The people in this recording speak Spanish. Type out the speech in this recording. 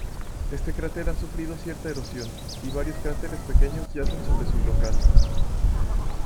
Este cráter ha sufrido cierta erosión, y varios cráteres pequeños yacen sobre su brocal.